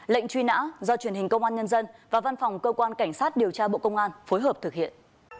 lệnh truy nã do truyền hình công an nhân dân và văn phòng cơ quan cảnh sát điều tra bộ công an phối hợp thực hiện